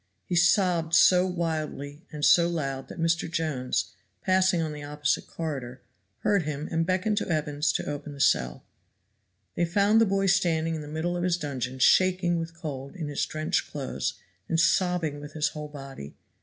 He sobbed so wildly and so loud that Mr. Jones, passing on the opposite corridor, heard him and beckoned to Evans to open the cell. They found the boy standing in the middle of his dungeon shaking with cold in his drenched clothes and sobbing with his whole body.